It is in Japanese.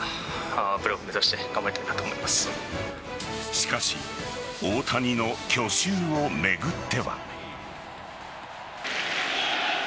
しかし、大谷の去就を巡っては。